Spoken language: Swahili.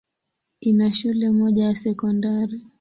Ina shule moja ya sekondari.